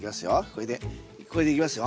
これでこれでいきますよ。